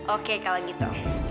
oke kalau gitu